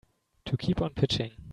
To keep on pitching.